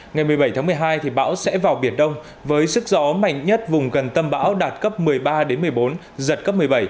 ngày một mươi bảy tháng một mươi hai bão sẽ vào biển đông với sức gió mạnh nhất vùng gần tâm bão đạt cấp một mươi ba một mươi bốn giật cấp một mươi bảy